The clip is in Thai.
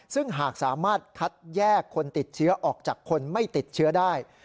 ซึ่งหากสามารถคัดแยกคนติดเชื้อออกจากคนไม่ติดเชื้อได้